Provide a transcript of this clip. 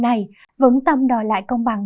nỗi đau này vẫn tâm đòi lại công bằng